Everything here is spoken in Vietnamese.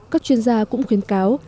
các chuyên gia cũng khuyến cáo